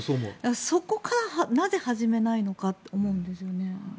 そこからなぜ始めないのかと思うんですよね。